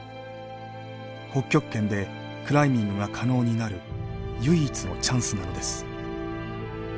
北極圏でクライミングが可能になる唯一のチャンスなのです。